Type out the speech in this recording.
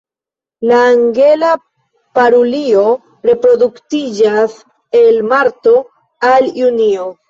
La Angela parulio reproduktiĝas el marto al junio.